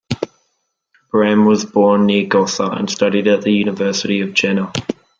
Brehm was born near Gotha, and studied at the University of Jena.